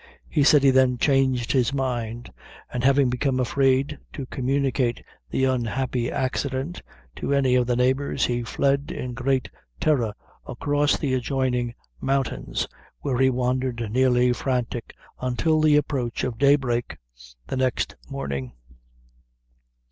He said he then changed his mind, and having become afraid to communicate the unhappy accident to any of the neighbors, he fled in great terror across the adjoining mountains, where he wandered nearly frantic until the approach of day break the next morning.